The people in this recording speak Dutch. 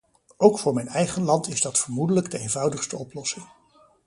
Ook voor mijn eigen land is dat vermoedelijk de eenvoudigste oplossing.